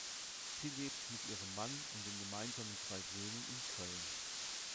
Sie lebt mit ihrem Mann und den gemeinsamen zwei Söhnen in Köln.